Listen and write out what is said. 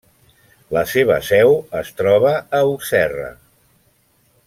La seva seu es troba a Auxerre.